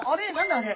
あれ！？